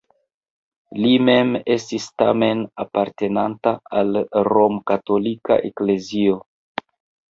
Li mem estis tamen apartenanta al romkatolika eklezio.